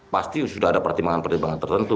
pasti sudah ada pertimbangan pertimbangan tertentu